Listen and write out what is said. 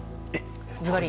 ずばり。